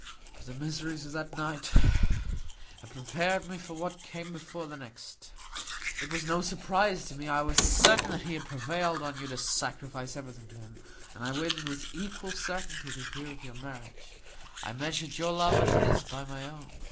"But the miseries of that night had prepared me for what came before the next. It was no surprise to me. I was certain that he had prevailed on you to sacrifice everything to him, and I waited with equal certainty to hear of your marriage. I measured your love and his by my own.